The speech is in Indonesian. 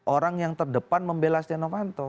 orang yang terdepan membelas stiano fanto